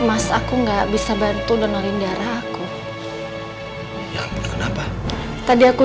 ini semua gara gara clara